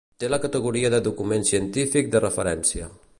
Té la categoria de document científic de referència.